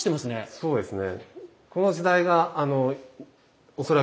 そうですね。